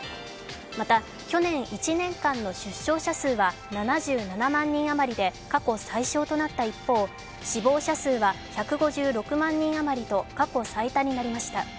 また去年１年間の出生者数は７７万人余りで過去最少となった一方死亡者数は１５６万人余りと過去最多になりました。